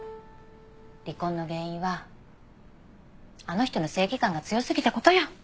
離婚の原因はあの人の正義感が強すぎた事よ。